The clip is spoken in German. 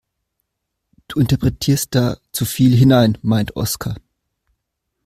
Du interpretierst da zu viel hinein, meint Oskar.